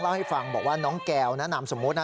เล่าให้ฟังบอกว่าน้องแก้วนะนามสมมุตินะ